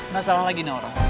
masalah lagi nih orang